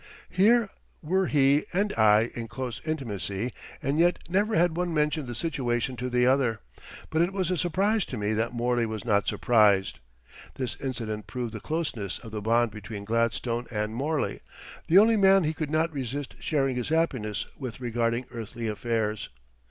Here were he and I in close intimacy, and yet never had one mentioned the situation to the other; but it was a surprise to me that Morley was not surprised. This incident proved the closeness of the bond between Gladstone and Morley the only man he could not resist sharing his happiness with regarding earthly affairs.